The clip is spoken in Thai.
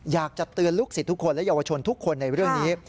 อยากจะเตือนลูกศิษย์ทุกคนและเยาวชนทุกคนในเรื่องนี้